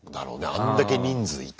あんだけ人数いてさ。